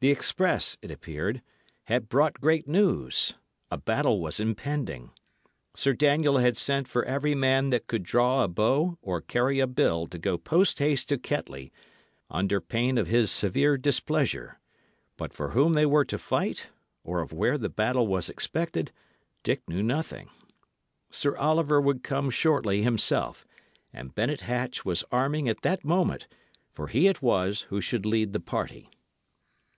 The express, it appeared, had brought great news. A battle was impending. Sir Daniel had sent for every man that could draw a bow or carry a bill to go post haste to Kettley, under pain of his severe displeasure; but for whom they were to fight, or of where the battle was expected, Dick knew nothing. Sir Oliver would come shortly himself, and Bennet Hatch was arming at that moment, for he it was who should lead the party.